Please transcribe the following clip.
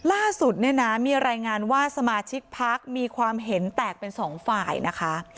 ล่าสุดเนี่ยนะมีรายงานว่าสมาชิกพักมีความเห็นแตกเป็นสองฝ่ายนะคะ